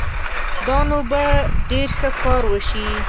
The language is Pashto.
دا نو به ډېر ښه کار وشي